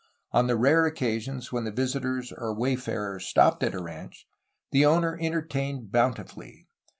On the rare occasions when visitors or wayfarers stopped at a ranch, the owner entertained bountifully.